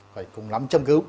phải cùng lắm châm cứu